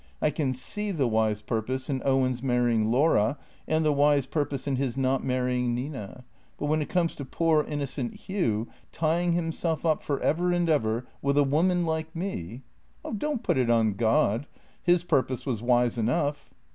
I can see the wise purpose in Owen's marrying Laura, and the wise pur pose in his not marrying Nina; but when it comes to poor, innocent Hugh tying himself up for ever and ever with a woman like me "" Don't put it on God. His purpose was wise enough."